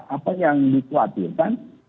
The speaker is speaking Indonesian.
apa yang dikhawatirkan